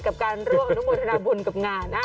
กับการร่วนอนุโมทิชย์บนกับงาน